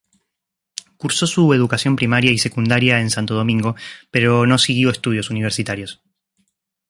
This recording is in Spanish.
Cursó su educación primaria y secundaria en Santo Domingo, pero no siguió estudios universitarios.